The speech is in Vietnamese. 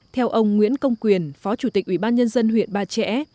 theo ông nguyễn công quyền phó chủ tịch ủy ban nhân dân huyện ba trẻ